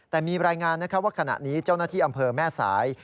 แต่มีรายงานว่าขณะนี้เจ้าหน้าที่อำเภอแม่สาย